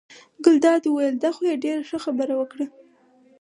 ګلداد وویل: دا خو دې ډېره ښه خبره وکړه.